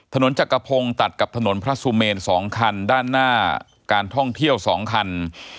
จักรพงศ์ตัดกับถนนพระสุเมน๒คันด้านหน้าการท่องเที่ยว๒คัน